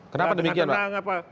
kenapa demikian pak